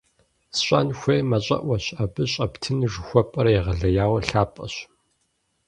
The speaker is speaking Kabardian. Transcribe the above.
СщӀэн хуейр мащӀэӀуэщ, абы щӀэптыну жыхуэпӀэр егъэлеяуэ лъапӀэщ!